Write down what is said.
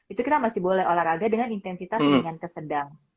itu kita masih boleh olahraga dengan intensitas dengan kesedang